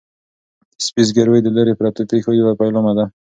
د سپي زګیروی د لیرې پرتو پېښو یو پیلامه ده.